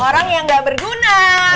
orang yang gak berguna